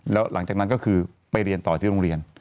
แล้วหลังจากนั้นก็คือไปเรียนต่อที่โรงเรียน